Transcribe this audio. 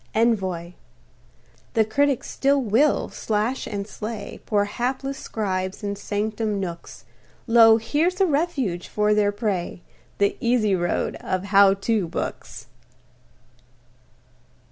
ENVOY The critics still will slash and slay Poor hapless scribes, in sanctum nooks; Lo! here's a refuge for their prey The easy road of "How To" books!